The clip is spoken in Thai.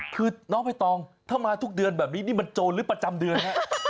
คือน้องใบตองถ้ามาทุกเดือนแบบนี้นี่มันโจรหรือประจำเดือนฮะ